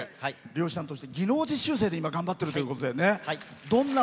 漁師さんとして技能実習生として今頑張ってるということで。